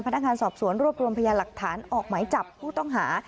พนักงานสอบสวนรวบรวมพยาหลักฐานออกหมายจับผู้ต้องหา